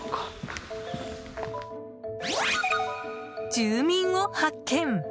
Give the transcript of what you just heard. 住民を発見！